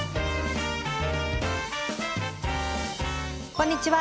こんにちは。